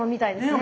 ね。